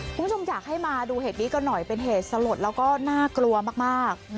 คุณผู้ชมอยากให้มาดูเหตุนี้กันหน่อยเป็นเหตุสลดแล้วก็น่ากลัวมาก